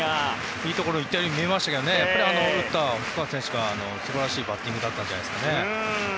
いいところに行ったように見えましたがやっぱり打った細川選手が素晴らしいバッティングだったんでしょう。